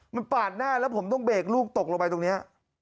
มันปาดหน้าแล้วผมต้องเบรกลูกตกลงไปตรงนี้